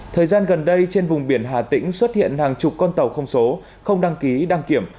thời gian gần đây trên vùng biển hà tĩnh xuất hiện hàng chục con tàu không số không đăng ký đăng kiểm